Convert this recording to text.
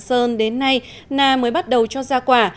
tỉnh lạng sơn đến nay na mới bắt đầu cho ra quả